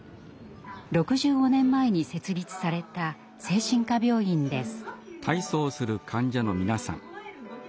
６５年前に設立された精神科病院です。